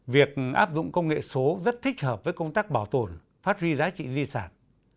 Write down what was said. việc áp dụng công nghệ số rất thích hợp với công tác bảo tồn phát huy giá trị di sản